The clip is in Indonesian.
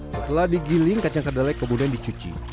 setelah digiling kacang kedelai kemudian dicuci